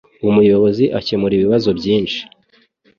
Umuyobozi akemura ibibazo byinshi.